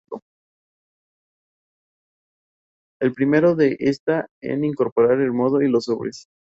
Come pequeños animales bentónicos, principalmente larvas de insectos.